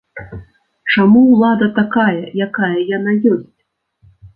Чаму ўлада такая, якая яна ёсць?